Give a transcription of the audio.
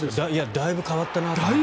だいぶ変わったなと。